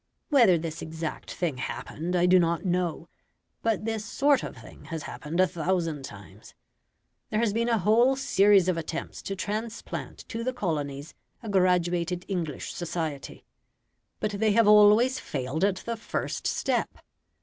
Whether this exact thing happened I do not know, but this sort of thing has happened a thousand times. There has been a whole series of attempts to transplant to the colonies a graduated English society. But they have always failed at the first step.